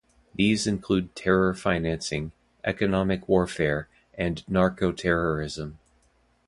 These include terror financing, economic warfare, and narcoterrorism.